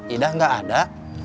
edah gak ada